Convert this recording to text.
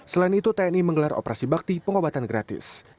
selain itu tni menggelar operasi bakti pengobatan gratis